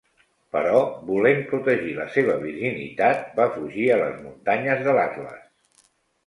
Però, volent protegir la seva virginitat, va fugir a les muntanyes de l'Atles.